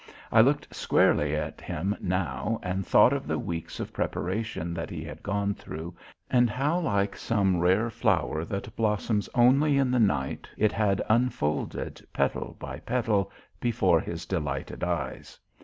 I looked squarely at him now and thought of the weeks of preparation that he had gone thru and how like some rare flower that blossoms only in the night it had unfolded petal by petal before his delighted eyes.